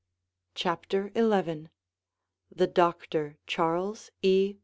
CHAPTER XI THE DOCTOR CHARLES E.